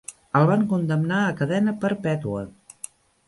El van condemnar a cadena perpètua.